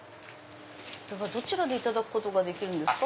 どちらでいただくことができるんですか？